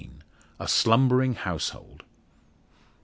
A SLUMBERING HOUSEHOLD.